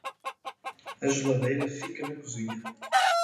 A geladeira fica na cozinha.